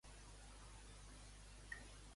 Quina altra qüestió va plantejar la deessa a Tarhunt?